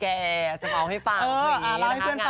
แกจะเมาให้ฟังคือแบบนี้นะคะ